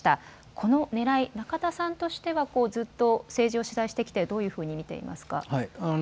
このねらい、中田さんとしてはずっと政治を取材してきてどういうふうに見ていますか。